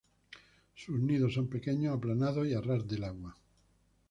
Sus nidos son pequeños, aplanados y a ras del agua.